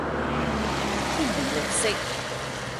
天然綠色